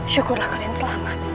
syukurlah kalian selamat